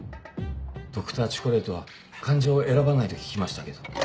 Ｄｒ．チョコレートは患者を選ばないと聞きましたけど。